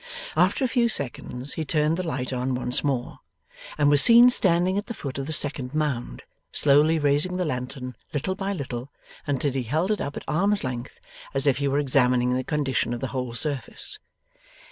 After a few seconds, he turned the light on once more, and was seen standing at the foot of the second mound, slowly raising the lantern little by little until he held it up at arm's length, as if he were examining the condition of the whole surface.